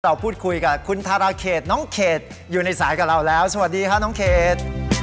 เราพูดคุยกับคุณทาราเขตน้องเขตอยู่ในสายกับเราแล้วสวัสดีค่ะน้องเขต